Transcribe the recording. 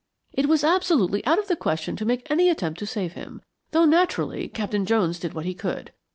It was absolutely out of the question to make any attempt to save him, though, naturally, Captain Jones did what he could.